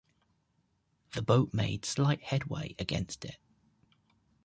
The boat made slight headway against it.